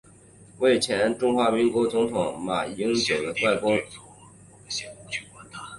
为前中华民国总统马英九的外公。